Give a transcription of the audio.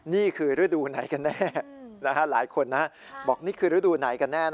นี่คือฤดูไหนกันแน่หลายคนนะบอกนี่คือฤดูไหนกันแน่